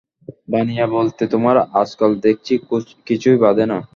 বানিয়ে বলতে তোমার আজকাল দেখছি কিছুই বাধে না।